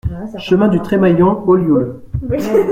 Chemin du Tremaillon, Ollioules